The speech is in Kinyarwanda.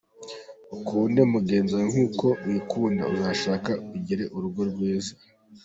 Ukunde mugenzi wawe nk’uko wikunda uzashaka ugire urugo rwiza.